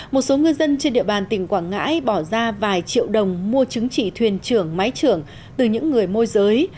một số ngư dân trên địa bàn tỉnh quảng ngãi bỏ ra vài triệu đồng mua chứng chỉ thuyền trưởng máy trưởng từ những người môi giới